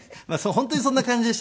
本当にそんな感じでしたね。